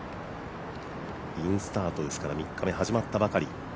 インスタートですから３日目、始まったばかり。